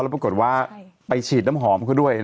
แล้วปรากฏว่าไปฉีดน้ำหอมเขาด้วย